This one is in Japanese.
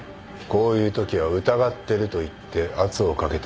こういうときは「疑ってる」と言って圧をかけて反応を見ろ。